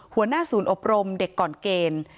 หัวหน้าศูนย์อบรมเด็กก่อนเกณฑ์